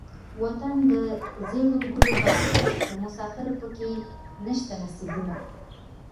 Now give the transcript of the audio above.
وطن دزيړو ګلو باغ دے دمسافرو پکښې نيشته نصيبونه